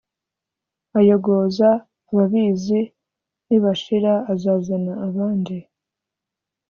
ayogoza ababizi nibashira azazana abandi